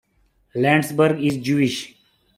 Landsberg is Jewish.